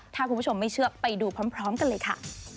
ถ้าคุณผู้ชมไม่เชื่อไปดูพร้อมกันเลยค่ะ